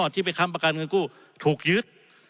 ที่ไปค้ำประกันเงินกู้ถูกยึด